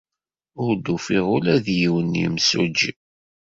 Ur d-ufiɣ ula d yiwen n yemsujji.